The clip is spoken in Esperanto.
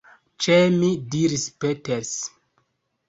Ĉe mi, diris Peters.